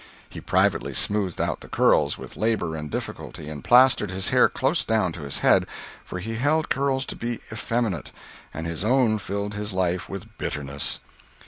[He privately smoothed out the curls, with labor and difficulty, and plastered his hair close down to his head; for he held curls to be effeminate, and his own filled his life with bitterness.